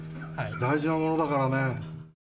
大事なものだからね。